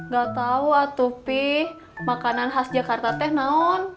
gak tau atupi makanan khas jakarta teh naun